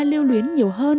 lưu luyến nhiều hơn